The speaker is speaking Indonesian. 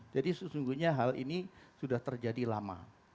jadi sesungguhnya hal ini sudah terjadi lama